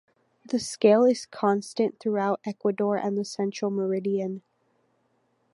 The scale is constant throughout Ecuador and the central meridian.